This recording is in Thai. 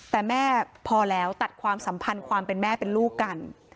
แต่แม่พอแล้วตัดความสัมพันธ์ความเป็นแม่เป็นลูกกัน